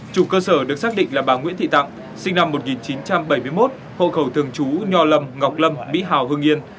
chủ cơ sở được xác định là bà nguyễn thị tặng sinh năm một nghìn chín trăm bảy mươi một hộ khẩu thường chú nho lâm ngọc lâm mỹ hào hưng yên